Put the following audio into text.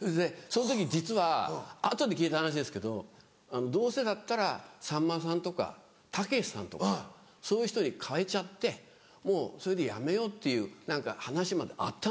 でその時実は後で聞いた話ですけどどうせだったらさんまさんとかたけしさんとかそういう人に代えちゃってもうそれでやめようっていう話まであったんですって。